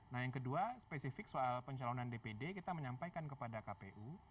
nah yang kedua spesifik soal pencalonan dpd kita menyampaikan kepada kpu